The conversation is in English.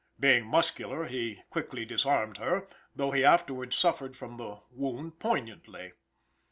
Being muscular, he quickly disarmed her, though he afterward suffered from the wound poignantly.